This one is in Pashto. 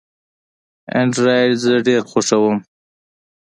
انډرایډ زه ډېر خوښوم.